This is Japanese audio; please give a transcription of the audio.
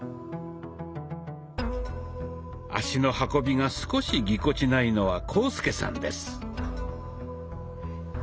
足の運びが少しぎこちないのは浩介さんです。